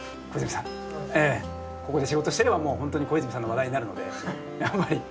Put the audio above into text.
ここで仕事してればホントに小泉さんの話題になるので。